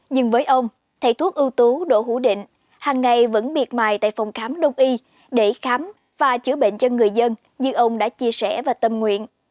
nhưng với ông thầy thuốc ưu tú đỗ hữu định hàng ngày vẫn biệt mài tại phòng khám đông y để khám và chữa bệnh cho người dân như ông đã chia sẻ và tâm nguyện